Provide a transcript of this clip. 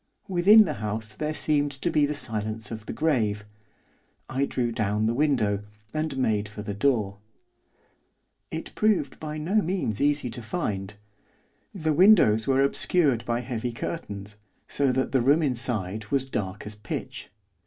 Within the house there seemed to be the silence of the grave. I drew down the window, and made for the door. It proved by no means easy to find. The windows were obscured by heavy curtains, so that the room inside was dark as pitch.